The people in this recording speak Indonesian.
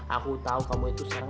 aku tahu kamu itu senang